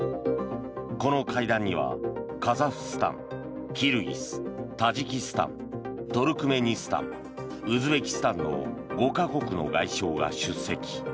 この会談にはカザフスタン、キルギスタジキスタン、トルクメニスタンウズベキスタンの５か国の外相が出席。